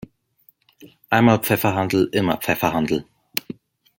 Einmal Pfefferhandel, immer Pfefferhandel!